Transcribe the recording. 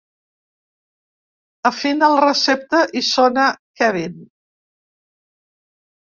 Afina la recepta i sona ‘Kevin’.